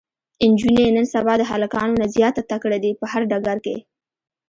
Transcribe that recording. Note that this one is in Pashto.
انجونې نن سبا د هلکانو نه زياته تکړه دي په هر ډګر کې